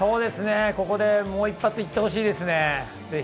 もう一発いってほしいですね。